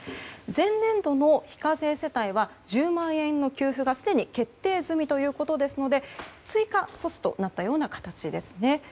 前年度の非課税世帯は１０万円の給付がすでに決定済みということですので追加措置となったような形ですね。